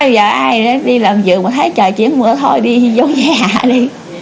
giờ ai đi làm việc mà thấy trời chỉ mưa thôi đi giống nhà đi